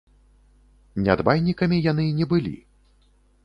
Нядбайнікамі яны не былі.